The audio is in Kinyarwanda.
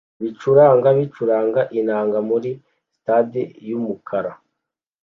bicuranga bacuranga inanga muri stade yumukara.